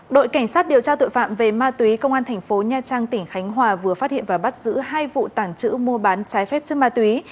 đội cảnh sát điều tra tội phạm về ma túy công an thành phố nha trang tỉnh khánh hòa vừa phát hiện và bắt giữ hai vụ tàng trữ mua bán trái phép chất ma túy